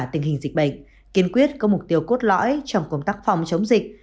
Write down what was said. tình hình dịch bệnh kiên quyết có mục tiêu cốt lõi trong công tác phòng chống dịch